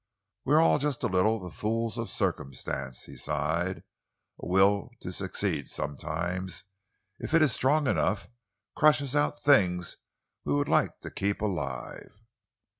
"We are all just a little the fools of circumstance," he sighed. "A will to succeed sometimes, if it is strong enough, crushes out things we would like to keep alive."